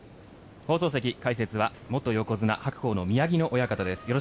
放送席、解説は元横綱・白鵬の宮城野親方です。